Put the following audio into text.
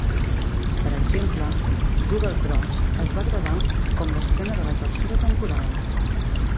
Per exemple, "Double Cross" es va gravar com l'estrena de la tercera temporada.